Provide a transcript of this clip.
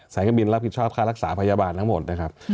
การบินรับผิดชอบค่ารักษาพยาบาลทั้งหมดนะครับ